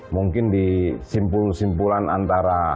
mungkin di simpul simpulan antara